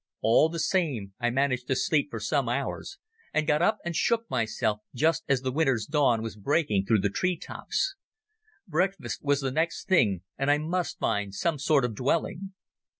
All the same I managed to sleep for some hours, and got up and shook myself just as the winter's dawn was breaking through the tree tops. Breakfast was the next thing, and I must find some sort of dwelling.